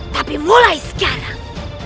tapi mulai sekarang